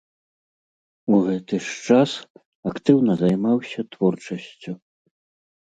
У гэты ж час актыўна займаўся творчасцю.